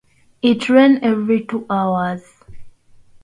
It ran every two hours.